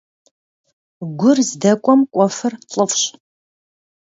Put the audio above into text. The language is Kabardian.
Гур здэкӀуэм кӀуэфыр лӀыфӀщ.